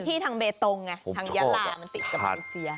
ที่ทางเบตงไงทางยาลามันติดกับมาเลเซีย